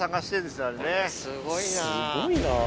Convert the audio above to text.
すごいな。